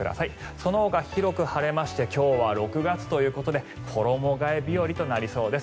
そのほか広く晴れまして今日は６月ということで衣替え日和となりそうです。